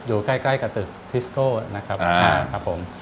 อยู่ใกล้กับตึกทริแสโค้ตนะครับ